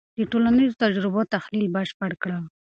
د ټولنیزو تجربو تحلیل بشپړ کړه.